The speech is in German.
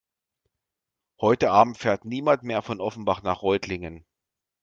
Heute Abend fährt niemand mehr von Offenbach nach Reutlingen